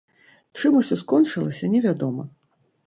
Чым усё скончылася, невядома.